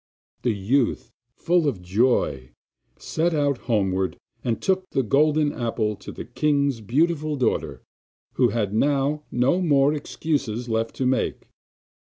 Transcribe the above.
The youth, full of joy, set out homewards, and took the Golden Apple to the king's beautiful daughter, who had now no more excuses left to make.